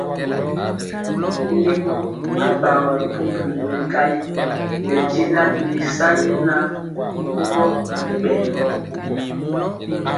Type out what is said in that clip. Lémɔ mori bagɔlɔ bubuli mɛkali nɛ jɛnaŋ bili sani nyaŋ gugɔ nɛ bɛɛgɔ.